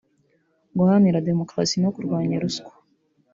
guharanira demokarasi no kurwanya ruswa